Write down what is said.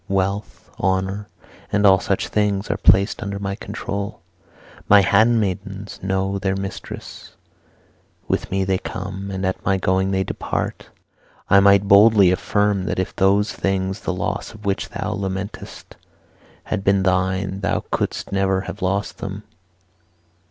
Wealth, honour, and all such things are placed under my control. My handmaidens know their mistress; with me they come, and at my going they depart. I might boldly affirm that if those things the loss of which thou lamentest had been thine, thou couldst never have lost them.